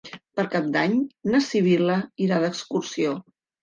Per Cap d'Any na Sibil·la irà d'excursió.